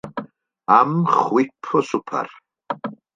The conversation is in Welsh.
Am chwip o swpar.